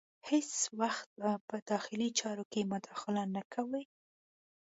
هیڅ وخت به په داخلي چارو کې مداخله نه کوو.